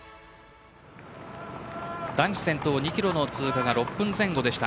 男子先頭２キロの通過が６分前後でした。